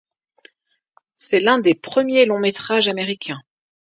C'est l'un des premiers longs métrages américain.